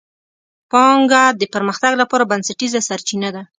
پانګه د پرمختګ لپاره بنسټیزه سرچینه ده.